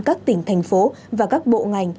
các tỉnh thành phố và các bộ ngành